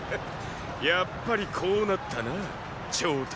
やっぱりこうなったなァ張唐？